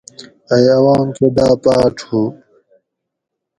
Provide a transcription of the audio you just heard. ائ اوام کہ داۤ پاۤڄ ہُو